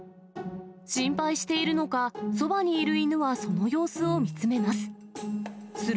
心配しているのか、そばにいる犬はその様子を見つめます。